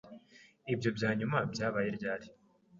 Ibyo byanyuma byabaye ryari?